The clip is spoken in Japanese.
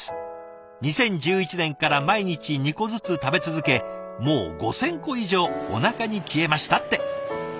２０１１年から毎日２個ずつ食べ続け、もう５０００個以上、お腹に消えました」って。